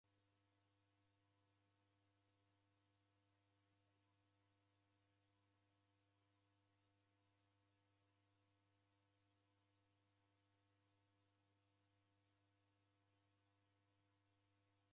Niki chishekeriagha w'andu kulwa?